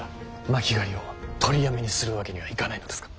巻狩りを取りやめにするわけにはいかないのですか。